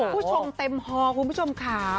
ผู้ชมเต็มฮอคุณผู้ชมค่ะ